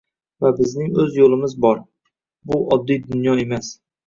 Va bizning o'z yo'limiz bor, bu oddiy dunyo emas